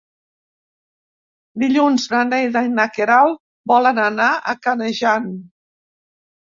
Dilluns na Neida i na Queralt volen anar a Canejan.